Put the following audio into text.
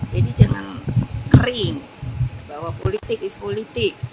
jadi jangan kering bahwa politik is politik